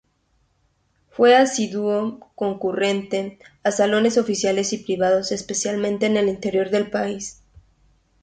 Fue asiduo concurrente a Salones oficiales y privados, especialmente en el interior del país.